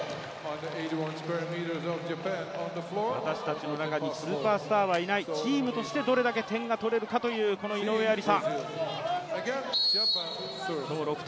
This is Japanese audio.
私たちの中にスーパースターはいない、チームとしてどれだけ点が取れるかという井上愛里沙。